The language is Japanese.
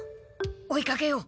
追いかけよう！